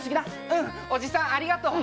うん、おじさん、ありがとう。